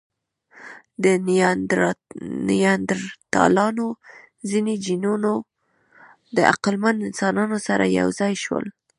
د نیاندرتالانو ځینې جینونه د عقلمن انسانانو سره یو ځای شول.